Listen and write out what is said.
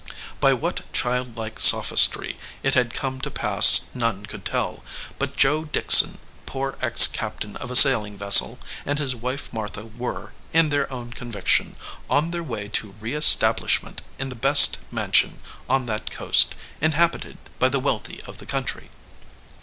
By what childlike sophistry it had come to pass none could tell, but Joe Dickson, poor ex captain of a sailing vessel, and his wife Martha were, in their own conviction, on their way to re establishment in the best mansion on that coast, inhabited by the wealthy of the country.